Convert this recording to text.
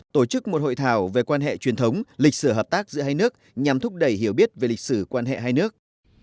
tổ chức một hội thảo về quan hệ truyền thống lịch sử hợp tác giữa hai nước nhằm thúc đẩy hiểu biết về lịch sử quan hệ hai nước